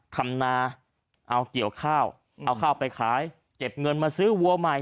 ทำนาเอาเกี่ยวข้าวเอาข้าวไปขายเก็บเงินมาซื้อวัวใหม่